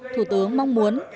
thủ tướng mong muốn